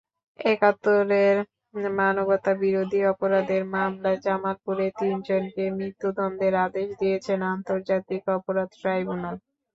একাত্তরের মানবতাবিরোধী অপরাধের মামলায় জামালপুরের তিনজনকে মৃত্যুদণ্ডের আদেশ দিয়েছেন আন্তর্জাতিক অপরাধ ট্রাইব্যুনাল।